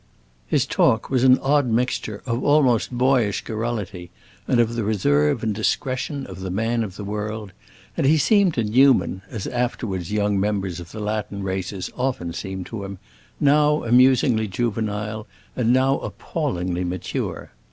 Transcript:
His talk was an odd mixture of almost boyish garrulity and of the reserve and discretion of the man of the world, and he seemed to Newman, as afterwards young members of the Latin races often seemed to him, now amusingly juvenile and now appallingly mature.